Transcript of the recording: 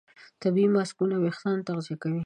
طبیعي ماسکونه وېښتيان تغذیه کوي.